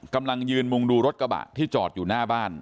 กำลังยืนมุงดูรถกระบะที่จอดอยู่หน้าบ้าน